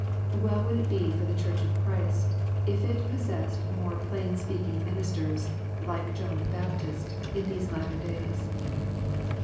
Well would it be for the Church of Christ, if it pos sessed more plain speaking ministers, like John the Baptist, in these latter days.